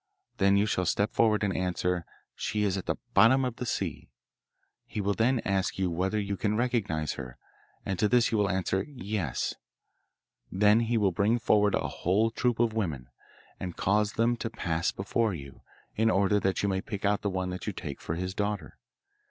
Then you shall step forward and answer "She is at the bottom of the sea." He will then ask you whether you can recognise her, and to this you will answer "Yes." Then he will bring forward a whole troop of women, and cause them to pass before you, in order that you may pick out the one that you take for his daughter.